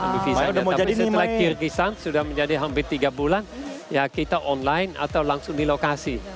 tapi setelah kyrgyzstan sudah menjadi hampir tiga bulan ya kita online atau langsung di lokasi